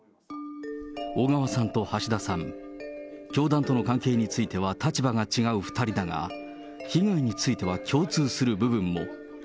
小川さんと橋田さん、教団との関係については立場が違う２人だが、被害については共通する部分も。